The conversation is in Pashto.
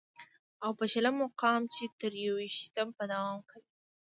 او په شلم مقام چې تر يوویشتمې به دوام کوي